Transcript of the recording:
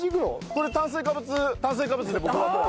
これ炭水化物炭水化物で僕はもう。